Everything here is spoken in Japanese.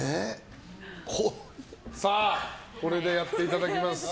これでやっていただきます。